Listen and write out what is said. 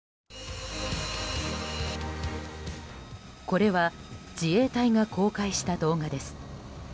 これは自衛隊が公開した動画です。